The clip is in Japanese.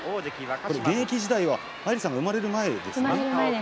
現役時代はアイリさんが生まれる前ですね。